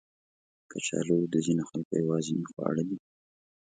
کچالو د ځینو خلکو یوازینی خواړه دي